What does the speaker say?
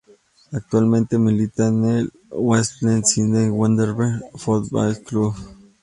Actualmente milita en el Western Sydney Wanderers Football Club.